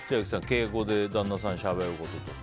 敬語で旦那さんにしゃべること。